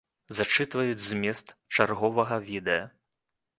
Зачытваюць змест чарговага відэа.